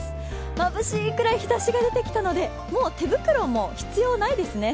まぶしいくらい日ざしが出てきたので、もう手袋も必要ないですね。